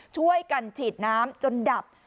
ช่วยกันฉีดน้ำจนดับ